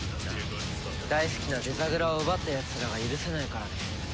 大好きなデザグラを奪ったやつらが許せないからね。